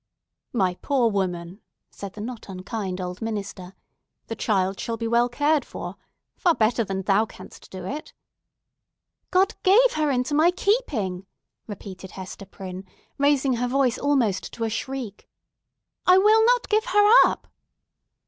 "My poor woman," said the not unkind old minister, "the child shall be well cared for—far better than thou canst do for it." "God gave her into my keeping!" repeated Hester Prynne, raising her voice almost to a shriek. "I will not give her up!"